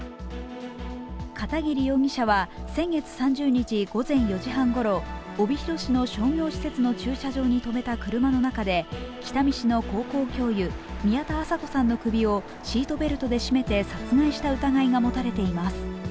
片桐容疑者は先月３０日午前４時半ごろ帯広市の商業施設の駐車場に止めた車の中で北見市の高校教諭、宮田麻子さんの首をシートベルトで絞めて殺害した疑いが持たれています。